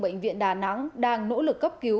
bệnh viện đà nẵng đang nỗ lực cấp cứu